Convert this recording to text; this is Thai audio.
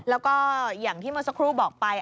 แล้วก็อย่างที่เมื่อสักครู่บอกไป